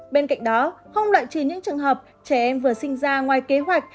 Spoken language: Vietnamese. bên cạnh đó không loại trừ những trường hợp trẻ em vừa sinh ra ngoài kế hoạch